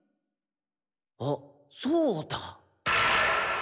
あっそうだ。